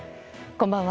こんばんは。